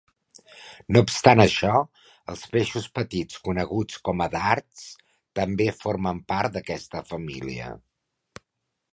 No obstant això, els peixos petits coneguts com a dards també formen part d'aquesta família.